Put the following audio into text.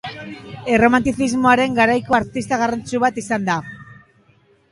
Erromantizismoaren garaiko artista garrantzitsu bat izan da.